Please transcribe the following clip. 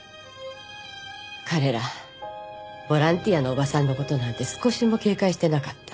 彼らボランティアのおばさんの事なんて少しも警戒していなかった。